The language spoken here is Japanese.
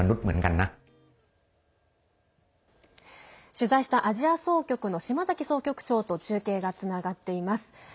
取材したアジア総局の島崎総局長と中継がつながっています。